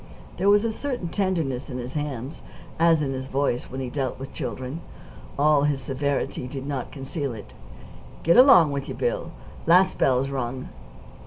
There was a certain tenderness in his hands, as in his voice, when he dealt with children. All his severity did not conceal it. "Get along with you, Bill. Last bell's rung."